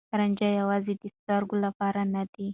رانجه يوازې د سترګو لپاره نه دی.